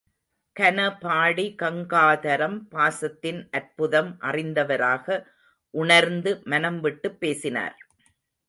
கனபாடி கங்காதரம் பாசத்தின் அற்புதம் அறிந்தவராக, உணர்ந்து, மனம்விட்டுப் பேசினார்.